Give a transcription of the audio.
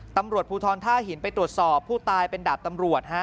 ตำรวจภูทรท่าหินไปตรวจสอบผู้ตายเป็นดาบตำรวจฮะ